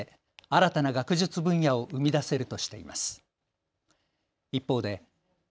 新たな学術分野を生み出せるとしています。